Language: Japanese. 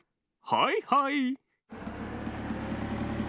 はいはい。